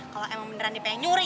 kalau emang beneran dipengen nyuri